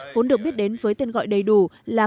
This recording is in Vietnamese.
vốn được biết đến với tên gọi đầy đủ là